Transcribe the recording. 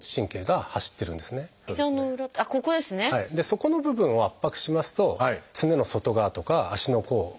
そこの部分を圧迫しますとすねの外側とか足の甲にですね